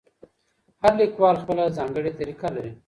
هر لیکوال خپله ځانګړې طریقه لري.